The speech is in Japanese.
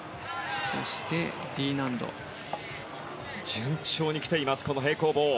順調に来ています平行棒。